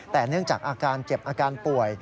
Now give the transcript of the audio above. แต่เนื่องจากอาการเจ็บอาการป่วย